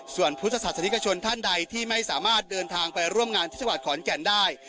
ส่วนพุทธศาสนิกชนท่านใดที่ไม่สามารถเดินทางไปร่วมงานที่จังหวัดขอนแก่นได้